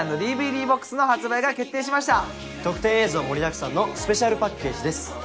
特典映像盛りだくさんのスペシャルパッケージです。